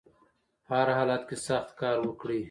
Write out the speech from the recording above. په هر حالت کې سخت کار وکړئ